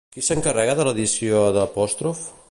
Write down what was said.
Qui s'encarrega de l'edició d'Apostroph?